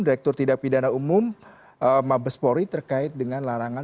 direktur tindak pidana umum mabespori terkait dengan larangan